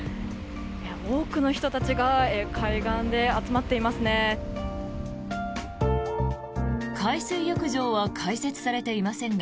多くの人たちが海岸で集まっていますね。